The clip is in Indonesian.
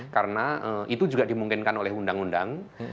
karena itu juga dimungkinkan oleh undang undang